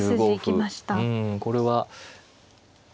うんこれは。